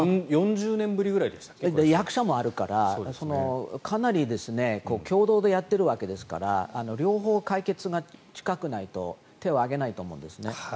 役者もあるから共同でやってるわけですので両方解決が近くないと手を挙げないです。